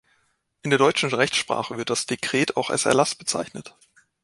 In der deutschen Rechtssprache wird das Dekret auch als Erlass bezeichnet.